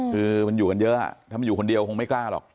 คือมันอยู่กันเยอะถ้ามันอยู่คนเดียวคงไม่กล้าหรอก